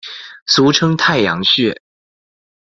俗称太阳穴。